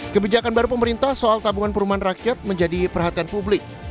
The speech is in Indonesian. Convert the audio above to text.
kebijakan baru pemerintah soal tabungan perumahan rakyat menjadi perhatian publik